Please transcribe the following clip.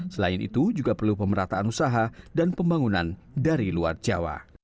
selain itu juga perlu pemerataan usaha dan pembangunan dari luar jawa